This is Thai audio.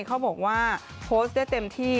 เขาบอกว่าโพสต์ได้เต็มที่